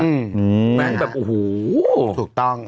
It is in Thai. อืมแหวนแบบโอ้โหถูกต้อง